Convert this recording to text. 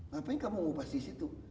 ngapain kamu ngubah di situ